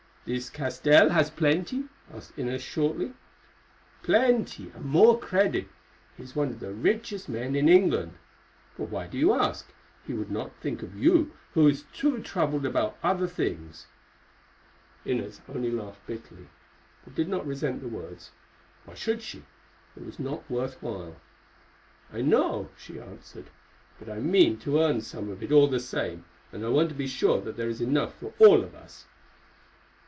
"This Castell has plenty?" asked Inez shortly. "Plenty, and more credit. He is one of the richest men in England. But why do you ask? He would not think of you, who is too troubled about other things." Inez only laughed bitterly, but did not resent the words. Why should she? It was not worth while. "I know," she answered, "but I mean to earn some of it all the same, and I want to be sure that there is enough for all of us."